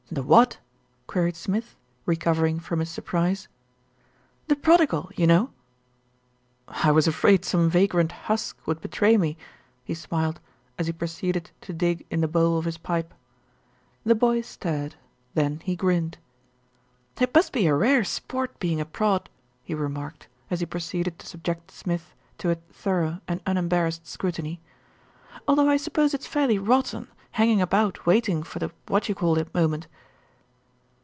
"The what?" queried Smith, recovering from his surprise. "The prodigal, you know." "I was afraid some vagrant husk would betray me," Jie smiled, as he proceeded to dig in the bowl of his pipe. The boy stared, then he grinned. "It must be rare sport being a prod," he remarked, as he proceeded to subject Smith to a thorough and un embarrassed scrutiny, "although I suppose it's fairly rotten hanging about waiting for the what you call it moment."